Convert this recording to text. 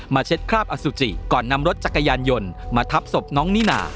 เช็ดคราบอสุจิก่อนนำรถจักรยานยนต์มาทับศพน้องนิน่า